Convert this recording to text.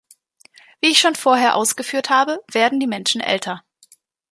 Wie ich schon vorher ausgeführt habe, werden die Menschen älter.